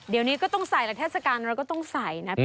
เดี๋ยวนี้ก็ต้องใส่แต่เทศกาลเราก็ต้องใส่นะ